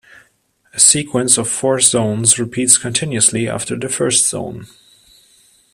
A sequence of four zones repeats continuously after the first zone.